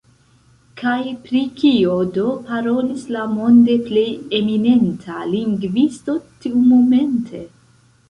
Kaj pri kio do parolis la monde plej eminenta lingvisto tiumomente?